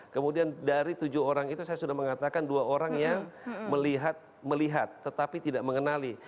kemudian dari tujuh orang itu saya sudah mengatakan dua orang yang melihat tetapi tidak mengenali